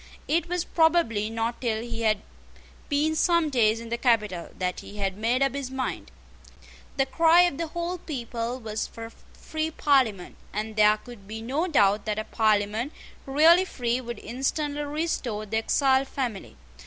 It was probably not till he had been some days in the capital that he had made up his mind. The cry of the whole people was for a free Parliament; and there could be no doubt that a Parliament really free would instantly restore the exiled family.